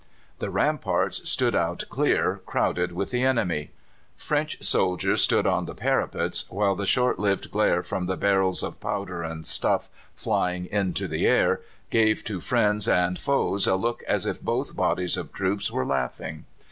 The ramparts stood out clear, crowded with the enemy. French soldiers stood on the parapets, while the short lived glare from the barrels of powder and stuff flying into the air gave to friends and foes a look as if both bodies of troops were laughing!